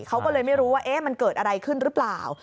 เขาก็เลยไม่รู้ว่ามันเกิดอะไรขึ้นหรือเปล่า